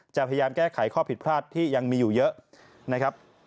จะพยายามแก้ไขข้อผิดพลาดที่ยังมีอยู่เยอะ